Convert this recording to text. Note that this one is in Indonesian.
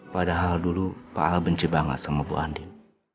padahal dulu pak ah benci banget sama bu andin